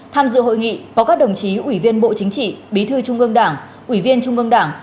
tham dự hội nghị có các đồng chí ủy viên bộ chính trị bí thư trung ương đảng ủy viên trung ương đảng